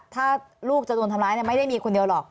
ถ้าลูกจะโดนทำร้ายไม่ได้มีคนเดียวหรอก